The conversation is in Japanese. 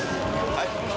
はい？